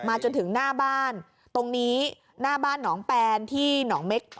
จนถึงหน้าบ้านตรงนี้หน้าบ้านหนองแปนที่หนองเม็ก